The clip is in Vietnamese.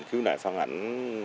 khiếu nại phản ảnh